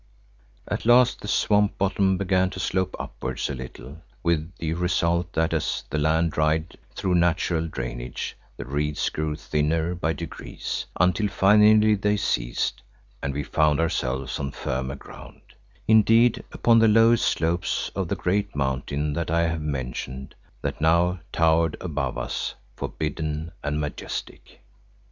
At last the swamp bottom began to slope upwards a little, with the result that as the land dried through natural drainage, the reeds grew thinner by degrees, until finally they ceased and we found ourselves on firmer ground; indeed, upon the lowest slopes of the great mountain that I have mentioned, that now towered above us, forbidden and majestic.